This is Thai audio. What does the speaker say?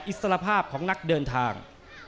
อิสรภาพของนักเดินทาง